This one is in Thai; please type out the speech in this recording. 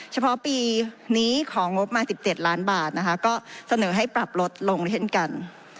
เฉพาะปีนี้ของงบมา๑๗ล้านบาทนะคะก็เสนอให้ปรับลดลงเช่นกัน